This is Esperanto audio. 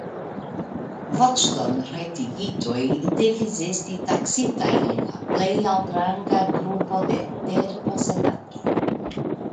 Voĉdonrajtigitoj devis esti taksitaj en la plej altranga grupo de terposedantoj.